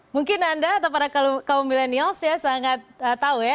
mungkin anda atau para kaum milenials ya sangat tahu ya